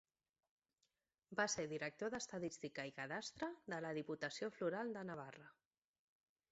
Va ser director d'Estadística i Cadastre de la Diputació Foral de Navarra.